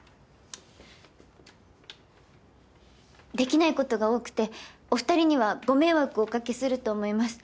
できないことが多くてお二人にはご迷惑をお掛けすると思います。